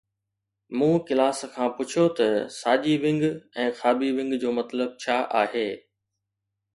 مون ڪلاس کان پڇيو ته ساڄي ونگ ۽ کاٻي ونگ جو مطلب ڇا آهي؟